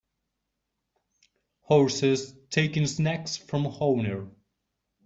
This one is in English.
Horses taking snacks from owner.